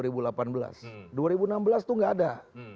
dua ribu enam belas itu nggak ada